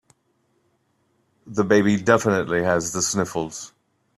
The baby definitely has the sniffles.